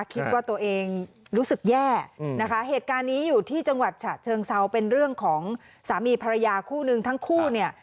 คิดว่าตัวเองรู้สึกแย่นะคะเหตุการณ์นี้อยู่ที่จังหวัดฉะเชิงเซาเป็นเรื่องของสามีภรรยาคู่นึงทั้งคู่เนี่ย